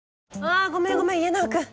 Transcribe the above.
あごめんごめん家長くん。